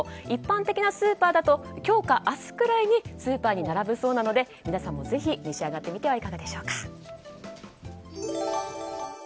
一般的なスーパーだと今日か明日くらいにスーパーに並ぶそうなので皆さんもぜひ召し上がってみてはいかがでしょうか。